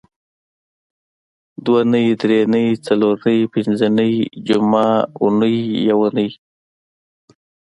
دونۍ درېنۍ څلرنۍ پینځنۍ جمعه اونۍ یونۍ